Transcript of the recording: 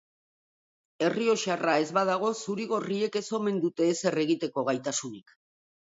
Errioxarra ez badago zuri-gorriek ez omen dute ezer egiteko gaitasunik.